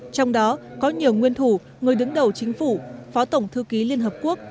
trong đó có nhiều nguyên thủ người đứng đầu chính phủ phó tổng thư ký liên hợp quốc